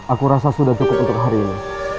aku rasa sudah cukup untuk hari ini